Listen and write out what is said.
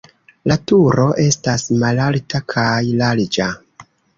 La turo estas malalta kaj larĝa.